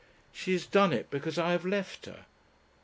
"She has done it because I have left her.